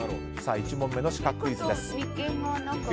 １問目のシカクイズです。